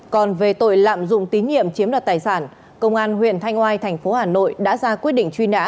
còn về tội lạm dụng tín nhiệm chiếm đoạt tài sản công an huyện thanh oai thành phố hà nội đã ra quyết định truy nã